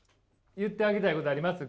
言ってあげたいことあります？